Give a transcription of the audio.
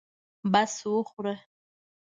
بس وخوره.